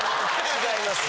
違います。